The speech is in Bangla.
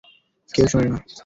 কেউ শোনে না।